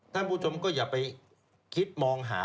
ท่านผู้ชมก็อย่าไปคิดมองหา